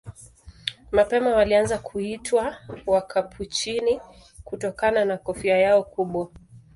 Mapema walianza kuitwa Wakapuchini kutokana na kofia yao kubwa.